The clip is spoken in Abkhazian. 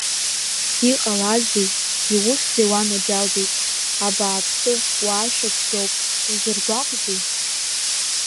Иҟалазеи, иухьзеи уанаџьалбеит, абааԥсы уаашьа цәгьоуп, узыргәаҟзеи?